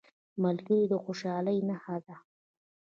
ملګری د خوشحالۍ نښه ده